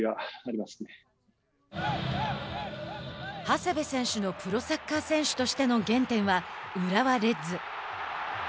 長谷部選手のプロサッカー選手としての原点は浦和レッズ。